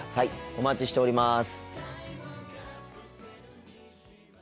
お待ちしております。